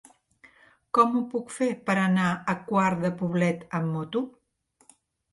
Com ho puc fer per anar a Quart de Poblet amb moto?